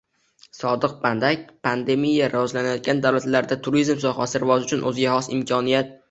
Sodiq Badak: Pandemiya – rivojlanayotgan davlatlarda turizm sohasi rivoji uchun o‘ziga xos imkoniyat